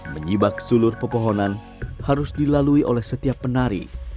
menyibak sulur pepohonan harus dilalui oleh setiap penari